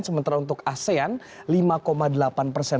sementara untuk asean lima delapan persen